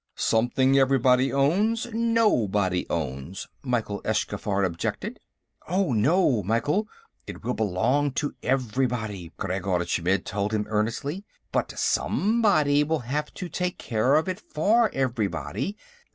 "Something everybody owns, nobody owns," Mykhyl Eschkhaffar objected. "Oh, no, Mykhyl; it will belong to everybody," Khreggor Chmidd told him earnestly. "But somebody will have to take care of it for everybody.